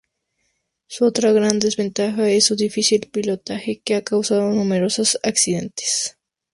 Su otra gran desventaja es su difícil pilotaje, que ha causado numerosos accidentes.